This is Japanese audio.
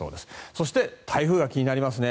そして、台風が気になりますね。